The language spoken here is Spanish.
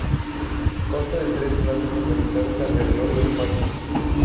Consta de tres plantas organizadas alrededor de un patio.